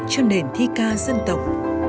cho nền thi ca dân tộc